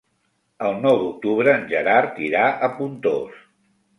El nou d'octubre en Gerard irà a Pontós.